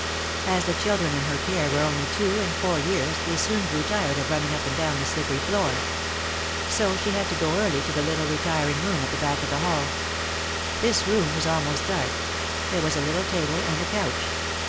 As the children in her care were only two and four years they soon grew tired of running up and down the slippery floor. So she had to go early to the little retiring room at the back of the hall. This room was almost dark. There was a little table and a couch.